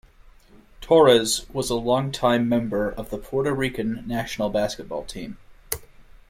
Torres was a longtime member of the Puerto Rican national basketball team.